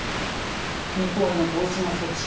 日本への投資の促進